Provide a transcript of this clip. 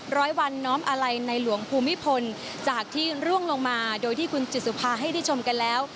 ร้อยวันน้อมอาลัยในหลวงภูมิพลจากที่ร่วงลงมาโดยที่คุณจิตสุภาให้ได้ชมกันแล้ว